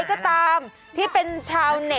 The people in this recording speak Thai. คุณติเล่าเรื่องนี้ให้ฮะ